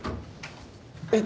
えっ？